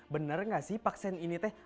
bener gak sih vaksin ini teh